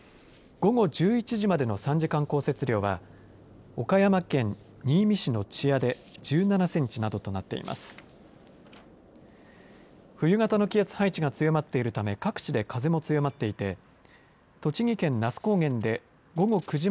午後１１時までの３時間降雪量は岡山県新見市の千屋で１７センチなどとなっています。